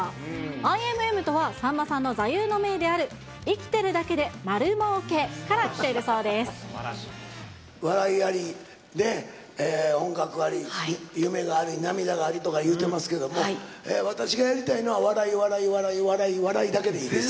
ＩＭＭとは、さんまさんの座右の銘である生きてるだけでまるもうけからきてい笑いあり、音楽あり、夢があり、涙がありとか言うてますけども、私がやりたいのは、笑い、笑い、笑い、笑い、笑いだけでいいです。